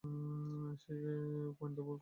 সে কোয়েম্বাটুর গেছে।